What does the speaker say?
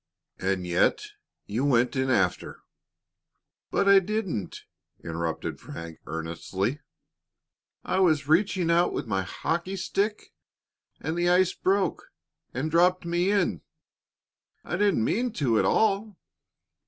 "And yet you went in after " "But I didn't!" interrupted Frank, earnestly. "I was reaching out with my hockey stick, and the ice broke and dropped me in. I didn't mean to at all."